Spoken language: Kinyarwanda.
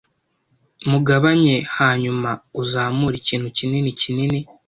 mugabanye hanyuma uzamure ikintu kinini kinini